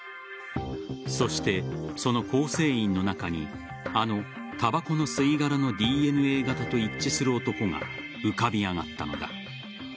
そして、その構成員の中にあのたばこの吸い殻のＤＮＡ型と一致する男が浮かび上がったのだ。